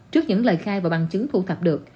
trước những lời khai và bằng chứng thu thập được